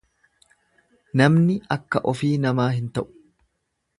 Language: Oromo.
Namni akka ofii namaa hin ta'u.